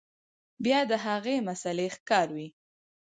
بيا د هغې مسئلې ښکار وي